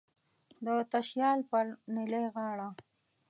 د تشیال پر نیلی غاړه